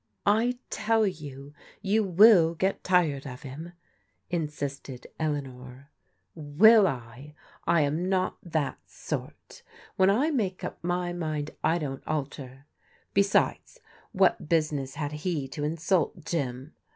" I tell you, you will get tired of him," insisted Elea €€«« nor. Will I? I am not that sort. When I make up my mind I don't alter. Besides, what business had he to in sult Jim?